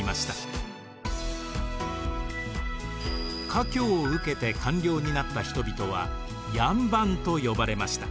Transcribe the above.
科挙を受けて官僚になった人々は両班と呼ばれました。